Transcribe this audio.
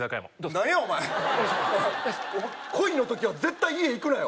何やお前恋の時は絶対家行くなよ